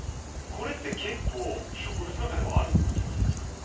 これって結構植物の中ではあることなんですか？